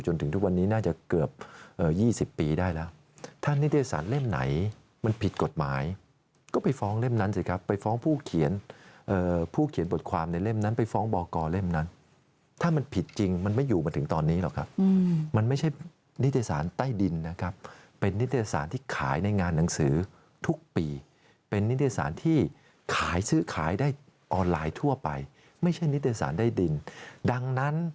จนถึงทุกวันนี้น่าจะเกือบเอ่อยี่สิบปีได้แล้วถ้านิทยาศาลเล่มไหนมันผิดกฎหมายก็ไปฟ้องเล่มนั้นสิครับไปฟ้องผู้เขียนเอ่อผู้เขียนบทความในเล่มนั้นไปฟ้องบอกรเล่มนั้นถ้ามันผิดจริงมันไม่อยู่มาถึงตอนนี้หรอกครับอืมมันไม่ใช่นิทยาศาลใต้ดินนะครับเป็นนิทยาศาลที่ขายในงานหนัง